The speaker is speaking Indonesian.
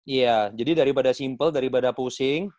iya jadi daripada simple daripada pusing